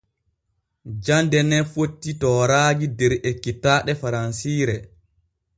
Jande ne fotti tooraaji der ekkitaaɗe faransiire.